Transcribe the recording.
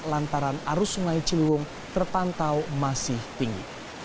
lantaran arus sungai ciliwung terpantau masih tinggi